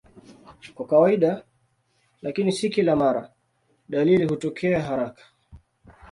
Kwa kawaida, lakini si kila mara, dalili hutokea haraka.